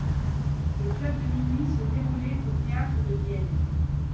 Le Club de Minuit se déroulé au Théâtre de Vienne.